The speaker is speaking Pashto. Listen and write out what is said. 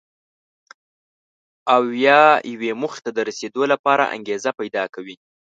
او یا یوې موخې ته د رسېدو لپاره انګېزه پیدا کوي.